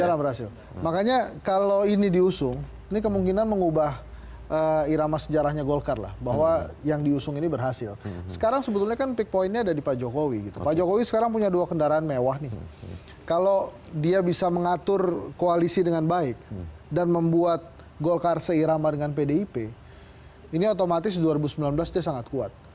jarang berhasil makanya kalau ini diusung ini kemungkinan mengubah irama sejarahnya golkar lah bahwa yang diusung ini berhasil sekarang sebetulnya kan pick point nya ada di pak jokowi gitu pak jokowi sekarang punya dua kendaraan mewah nih kalau dia bisa mengatur koalisi dengan baik dan membuat golkar seirama dengan pdip ini otomatis dua ribu sembilan belas dia sangat kuat